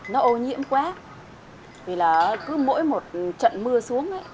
nó ô nhiễm quá vì là cứ mỗi một trận mưa xuống ấy